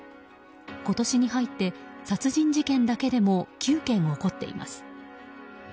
今年に入って、殺人事件だけでも９件起こっています。